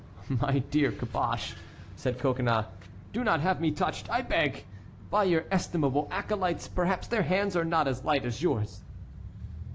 "My dear Caboche," said Coconnas, "do not have me touched, I beg, by your estimable acolytes; perhaps their hands are not as light as yours."